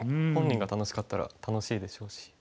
本人が楽しかったら楽しいでしょうし。